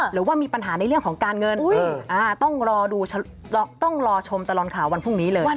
หรือว่ามีปัญหาในเรื่องของการเงินต้องรอดูต้องรอชมตลอดข่าววันพรุ่งนี้เลย